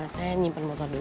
saya nyimpen motor dulu